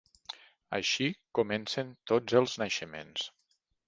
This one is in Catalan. Així comencen tots els naixements.